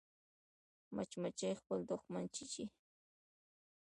مچمچۍ خپل دښمن چیچي